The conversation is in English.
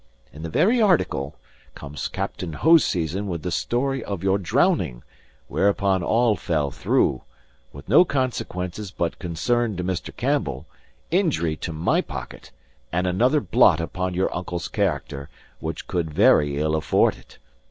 In the very article, comes Captain Hoseason with the story of your drowning; whereupon all fell through; with no consequences but concern to Mr. Campbell, injury to my pocket, and another blot upon your uncle's character, which could very ill afford it.